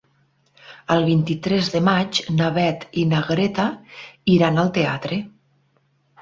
El vint-i-tres de maig na Beth i na Greta iran al teatre.